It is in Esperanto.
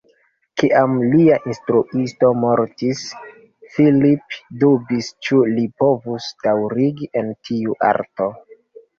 Kiam lia instruisto mortis, Phillip dubis ĉu li povus daŭrigi en tiu arto.